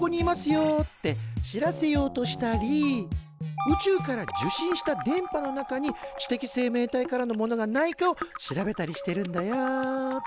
よって知らせようとしたり宇宙から受信した電波の中に知的生命体からのものがないかを調べたりしてるんだよ。